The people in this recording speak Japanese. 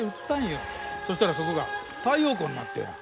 そしたらそこが太陽光になったんや。